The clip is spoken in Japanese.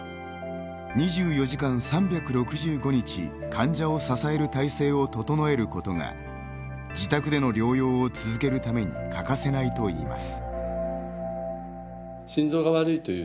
２４時間３６５日患者を支える体制を整えることが自宅での療養を続けるために欠かせないといいます。